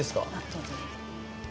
どうぞ。